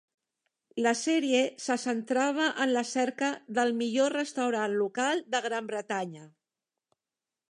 La sèrie se centrava en la cerca del "millor restaurant local de Gran Bretanya".